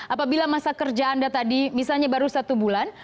apabila masa kerja anda tadi misalnya baru satu bulan